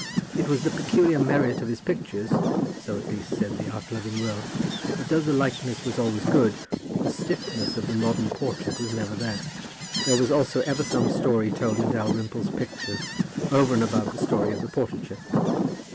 It was the peculiar merit of his pictures, so at least said the art loving world, that though the likeness was always good, the stiffness of the modern portrait was never there. There was also ever some story told in Dalrymple's pictures over and above the story of the portraiture.